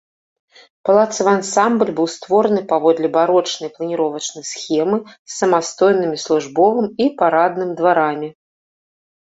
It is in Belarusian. Палацавы ансамбль быў створаны паводле барочнай планіровачнай схемы, з самастойнымі службовым і парадным дварамі.